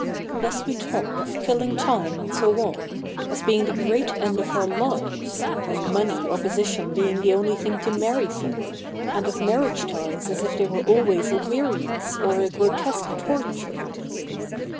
Thus we talk of killing time, and so on, as being the great end of our lives ; of money or position being the only thing to marry for ; and of marriage ties as if they were always a weariness, or a grotesque torture.'